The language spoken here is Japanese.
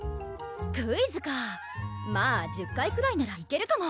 クイズかぁまぁ１０回くらいならいけるかも！